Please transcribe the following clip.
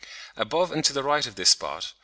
Above and to the right of this spot (b, Fig.